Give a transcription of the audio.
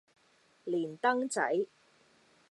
連登仔